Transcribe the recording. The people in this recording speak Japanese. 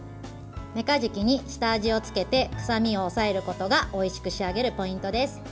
めかじきに下味をつけて臭みを抑えることがおいしく仕上げるポイントです。